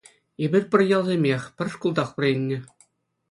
Эпир пӗр ялсемех, пӗр шкултах вӗреннӗ.